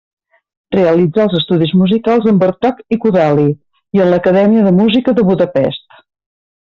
Realitzà els estudis musicals amb Bartók i Kodály i en l'Acadèmia de Música de Budapest.